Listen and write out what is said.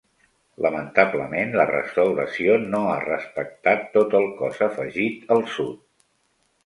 Lamentablement la restauració no ha respectat tot el cos afegit al sud.